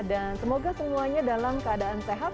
dan semoga semuanya dalam keadaan sehat